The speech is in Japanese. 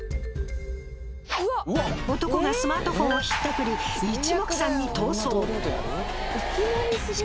男がスマートフォンをひったくり一目散に逃走。